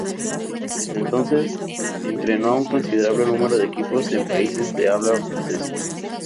Desde entonces, entrenó a un considerable número de equipos en países de habla francesa.